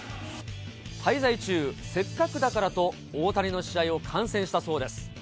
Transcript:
滞在中、せっかくだからと大谷の試合を観戦したそうです。